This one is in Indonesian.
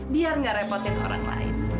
biar nggak repotin orang lain